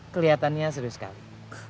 kelihatannya serius sekali